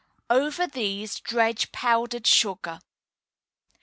Over these dredge powdered sugar.